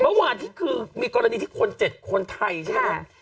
เมื่อวานที่คือมีกรณีที่คน๗คนไทยใช่ไหมครับ